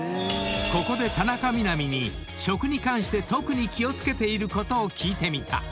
［ここで田中みな実に食に関して特に気を付けていることを聞いてみた］